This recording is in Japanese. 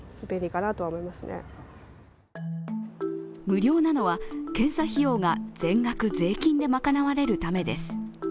無料なのは、検査費用が全額、税金で賄われるためです。